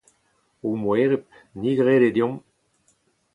O moereb, ni ’grede deomp…